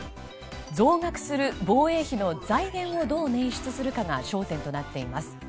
増額する防衛費の財源をどう捻出するかが焦点となっています。